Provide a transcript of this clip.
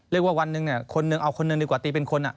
เรียกว่าวันนึงเนี่ยคนหนึ่งเอาคนหนึ่งดีกว่าตีเป็นคนอ่ะ